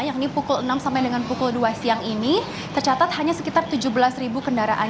yakni pukul enam sampai dengan pukul dua siang ini tercatat hanya sekitar tujuh belas ribu kendaraan